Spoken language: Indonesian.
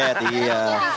kudet oh kurang abet iya